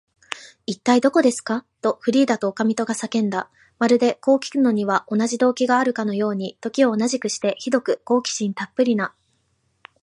「いったい、どこですか？」と、フリーダとおかみとが叫んだ。まるで、こうきくのには同じ動機があるかのように、時を同じくして、ひどく好奇心たっぷりな